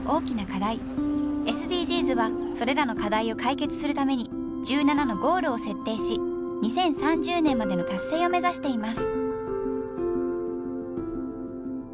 ＳＤＧｓはそれらの課題を解決するために１７のゴールを設定し２０３０年までの達成を目指しています。